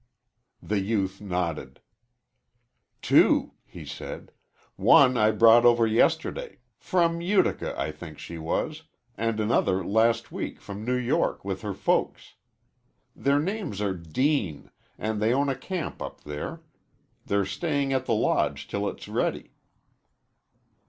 The youth nodded. "Two," he said. "One I brought over yesterday from Utica, I think she was and another last week, from New York, with her folks. Their names are Deane, and they own a camp up here. They're staying at the Lodge till it's ready."